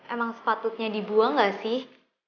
emang sepatutnya dibuang gak sih